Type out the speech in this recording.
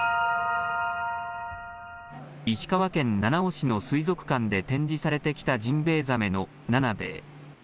石川県七尾市の水族館で展示されてきたジンベエザメのナナベエ。